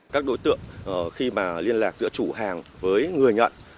các đối tượng khi mà liên lạc giữa chủ hàng với người nhận